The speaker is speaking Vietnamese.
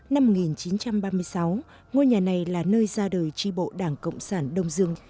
năm một nghìn chín trăm ba mươi sáu ngôi nhà này là nơi ra đời tri bộ đảng cộng sản đông dương